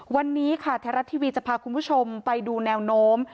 วันนี้ค่ะไทยรัฐทีวีจะพาคุณผู้ชมไปดูแนวโน้ม